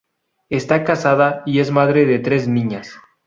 Está casada y es madre de tres niñas.